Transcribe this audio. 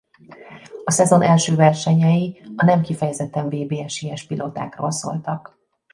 A szezon első versenyei a nem kifejezetten vb-esélyes pilótákról szóltak.